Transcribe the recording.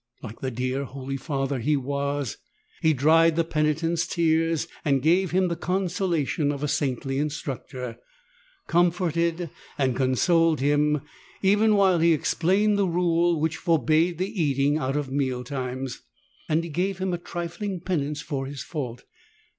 Like the dear holy Father he ever was, he dried the penitent's tears and gave him the consolation of a saintly instructor : comforted and consoled him, even while he explained the rule which forbade the eating out of meal times, and while he gave him a trifling penance for his fault.